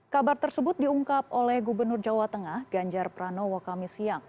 kabar tersebut diungkap oleh gubernur jawa tengah ganjar pranowo kami siang